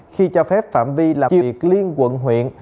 khi cho phép phạm vi làm việc liên quận huyện